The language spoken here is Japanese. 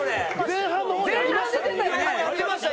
前半の方にありました。